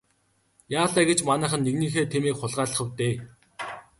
Яалаа гэж манайхан нэгнийхээ тэмээг хулгайлах вэ дээ.